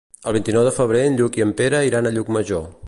El vint-i-nou de febrer en Martí i en Pere iran a Llucmajor.